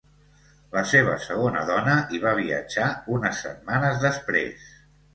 La seva segona dona hi va viatjar unes setmanes després.